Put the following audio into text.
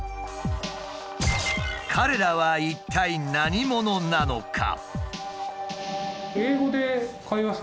彼らは一体何者なのか？